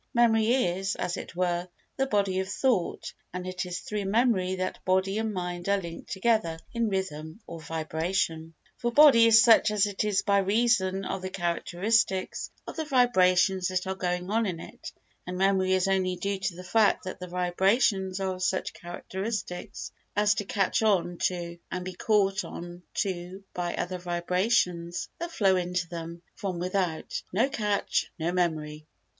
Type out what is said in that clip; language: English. Memory is, as it were, the body of thought, and it is through memory that body and mind are linked together in rhythm or vibration; for body is such as it is by reason of the characteristics of the vibrations that are going on in it, and memory is only due to the fact that the vibrations are of such characteristics as to catch on to and be caught on to by other vibrations that flow into them from without—no catch, no memory.